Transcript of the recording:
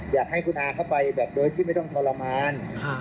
อยากให้คุณอาเข้าไปแบบโดยที่ไม่ต้องทรมาน